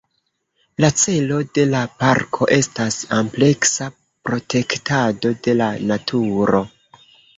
La celo de la parko estas ampleksa protektado de la naturo.